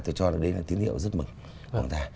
tôi cho là đấy là tín hiệu rất mực của người ta